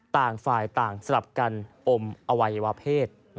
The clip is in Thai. ต่างฝ่ายต่างสลับกันอมอวัยวเพศ